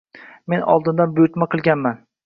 Men oldindan buyurtma qilganman.